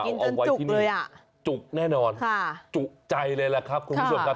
กินจนจุกเลยอ่ะจุกแน่นอนค่ะจุกใจเลยแหละครับคุณผู้ชมครับ